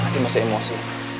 lagi masih emosi